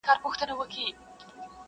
راوړي دي و یار ته یار لېمه شراب شراب,